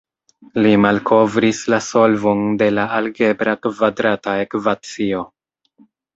Li malkovris la solvon de la algebra kvadrata ekvacio.